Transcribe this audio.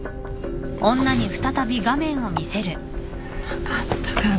分かったから。